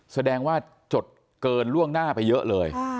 แสดงว่าจดเกินล่วงหน้าไปเยอะเลย